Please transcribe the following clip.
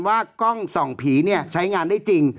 ว่ากล้องส่องผีใช้งานได้จริง